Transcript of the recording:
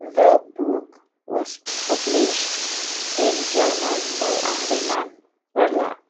The book was published in German by Ahriman Verlag.